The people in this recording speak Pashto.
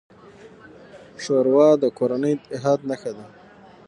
ښوروا د کورني اتحاد نښه ده.